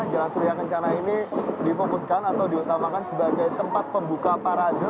jalan surya kencana ini difokuskan atau diutamakan sebagai tempat pembuka parade